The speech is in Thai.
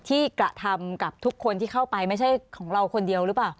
กระทำกับทุกคนที่เข้าไปไม่ใช่ของเราคนเดียวหรือเปล่า